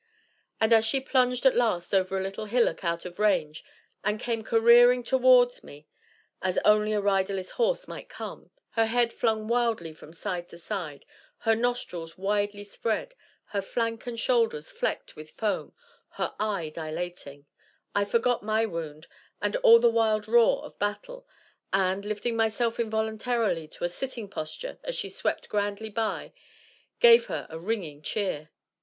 And as she plunged at last over a little hillock out of range and came careering toward me as only a riderless horse might come, her head flung wildly from side to side, her nostrils widely spread, her flank and shoulders flecked with foam, her eye dilating, I forgot my wound and all the wild roar of battle, and, lifting myself involuntarily to a sitting posture as she swept grandly by, gave her a ringing cheer.